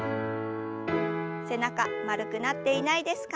背中丸くなっていないですか？